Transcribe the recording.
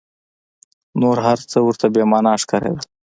نور هر څه ورته بې مانا ښکارېدل.